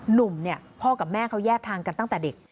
หนุ่มเนี่ยพ่อกับแม่เขาแยกทางกันตั้งแต่เด็ก